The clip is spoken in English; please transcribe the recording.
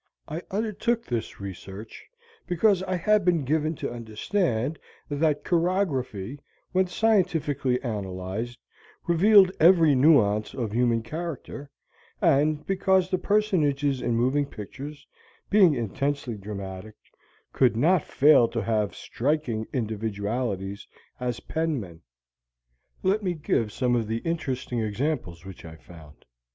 I undertook this research because I had been given to understand that chirography, when scientifically analyzed, revealed every nuance of human character; and because the personages in moving pictures, being intensely dramatic, could not fail to have striking individualities as penmen. Let me give some of the interesting examples which I found.